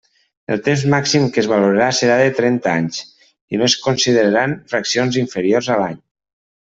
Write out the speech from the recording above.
El temps màxim que es valorarà serà de trenta anys i no es consideraran fraccions inferiors a l'any.